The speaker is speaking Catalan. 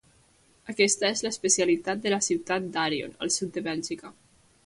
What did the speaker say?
Aquesta és l'especialitat de la ciutat d'Arion, al sud de Bèlgica.